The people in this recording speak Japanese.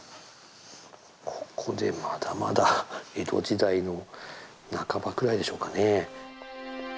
ここでまだまだ江戸時代の半ばくらいでしょうかね。